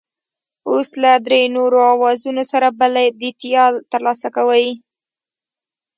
اوس له درې نورو اوزارونو سره بلدیتیا ترلاسه کوئ.